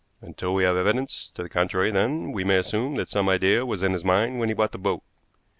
Until we have evidence to the contrary, then, we may assume that some idea was in his mind when he bought the boat.